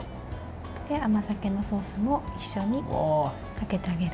甘酒のソースも一緒にかけてあげる。